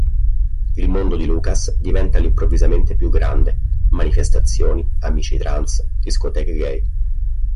Il mondo di Lucas diventa all'improvvisamente più grande: manifestazioni, amici trans, discoteche gay.